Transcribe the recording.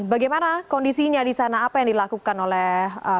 bagaimana kondisinya di sana apa yang dilakukan oleh